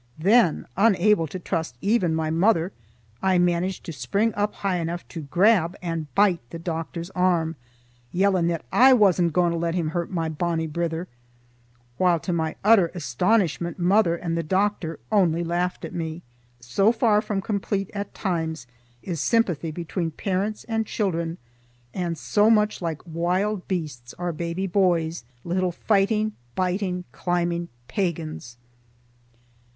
Then, unable to trust even my mother, I managed to spring up high enough to grab and bite the doctor's arm, yelling that I wasna gan to let him hurt my bonnie brither, while to my utter astonishment mother and the doctor only laughed at me. So far from complete at times is sympathy between parents and children, and so much like wild beasts are baby boys, little fighting, biting, climbing pagans.